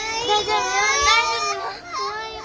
大丈夫よ。